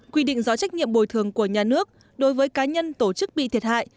quy định rõ trách nhiệm bồi thường của nhà nước đối với cá nhân tổ chức bị thiệt hại